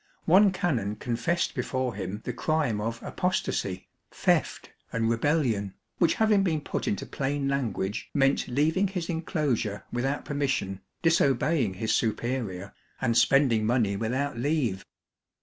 One canon confessed before him the crime of " apostasy," theft and rebellion, which having been put into plain language meant leaving his enclosure without permission, disobeying his superior and spending money without leave.